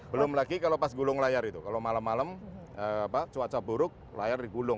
belum lagi kalau pas gulung layar itu kalau malam malam cuaca buruk layar digulung